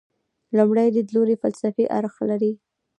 لومړی لیدلوری فلسفي اړخ لري.